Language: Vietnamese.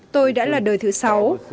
tôi đã là đời thứ sáu